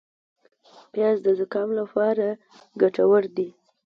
پیاز د زکام لپاره ګټور دي